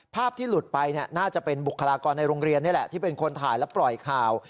ภาพที่หลุดไปน่าจะเป็นบุคลากรในโรงเรียนนี่แหละที่เป็นคนถ่ายและปล่อยข่าว